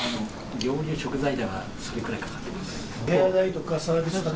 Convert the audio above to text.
料理の食材ではそれくらいかかってますよね？